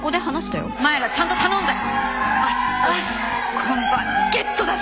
今晩ゲットだぜ！